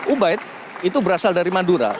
ubaid itu berasal dari madura